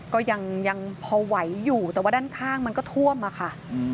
ก็ยังพอไหวอยู่แต่ว่าด้านข้างมันก็ท่วมอะค่ะ